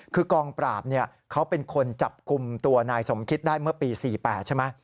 คือกองปราบเขาเป็นคนจับกลุ่มตัวนายสมคิตได้เมื่อปี๔๘ใช่ไหม